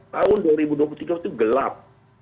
tahun dua ribu dua puluh tiga itu gelap